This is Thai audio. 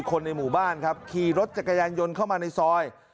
คนในหมู่บ้านครับขี่รถจักรยานยนต์เข้ามาในซอย